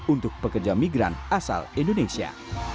untuk pekerja migran asal indonesia